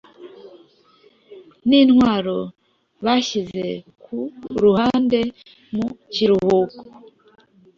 nintwaro bashyize ku ruhande mu kiruhuko